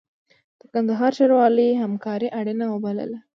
د کندهار ښاروالۍ همکاري اړینه وبلله.